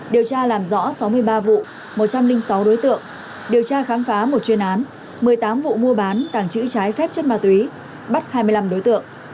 điều tra làm rõ sáu mươi ba vụ một trăm linh sáu đối tượng điều tra khám phá một chuyên án một mươi tám vụ mua bán tàng trữ trái phép chất ma túy bắt hai mươi năm đối tượng